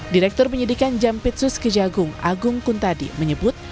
direktur penyidikan jampitsus kejagung agung kuntadi menyebut